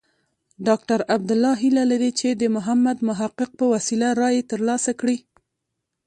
ډاکټر عبدالله هیله لري چې د محمد محقق په وسیله رایې ترلاسه کړي.